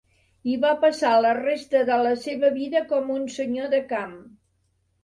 Hi va passar la resta de la seva vida com un senyor de camp.